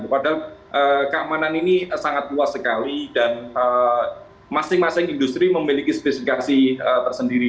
padahal keamanan ini sangat luas sekali dan masing masing industri memiliki spesifikasi tersendiri